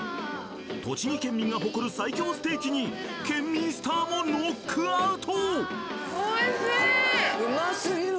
栃木県民が誇る最強ステーキに県民スターもノックアウト！